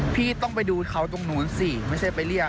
พี่ต้องไปดูเขาตรงนู้นสิไม่ใช่ไปเรียก